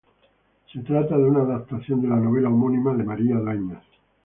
Se trata de una adaptación de la novela homónima de María Dueñas.